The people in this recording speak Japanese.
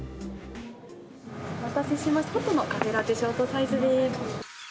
お待たせしました、ホットのカフェラテショートサイズです。